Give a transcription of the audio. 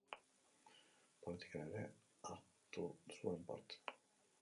Politikan ere hartu zuen parte.